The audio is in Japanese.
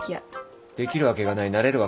できるわけがないなれるわけがない。